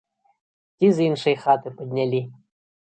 Ці з іншай хаты паднялі.